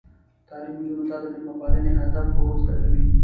تعلیم نجونو ته د میلمه پالنې آداب ور زده کوي.